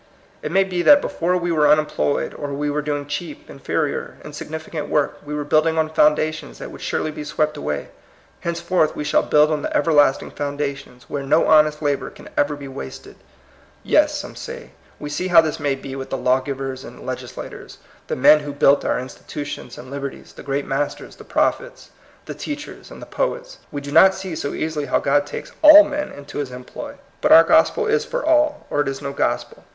It may be that before we were unemployed, or we were doing cheap, inferior, insignificant work; we were building on foundations that would surely be swept away. Henceforth we shall build on the everlasting foundations, where no honest labor can ever be wasted. Yes," some say, " we see how this may be with the lawgivers and legislators, the men who built our institutions and liber ties, the great masters, the prophets, the teachers, and the poets. We do not see so easily how God takes all men into his em* ploy." But our gospel is for all, or it is no gospel.